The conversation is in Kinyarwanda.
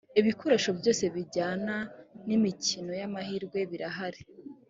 ibikoresho byose bijyana n imikino y’ amahirwe birahari.